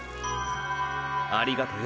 ありがとよ